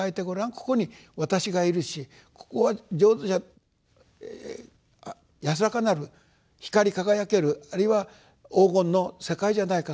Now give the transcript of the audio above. ここに私がいるしここは安らかなる光り輝けるあるいは黄金の世界じゃないか。